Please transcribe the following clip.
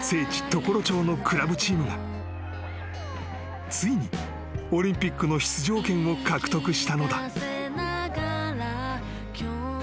常呂町のクラブチームがついにオリンピックの出場権を獲得したのだ］